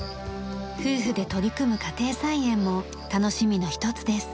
夫婦で取り組む家庭菜園も楽しみの一つです。